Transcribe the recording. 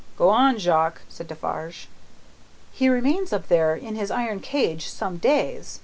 "Go on, Jacques," said Defarge. "He remains up there in his iron cage some days.